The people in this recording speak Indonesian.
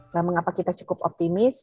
nah mengapa kita cukup optimis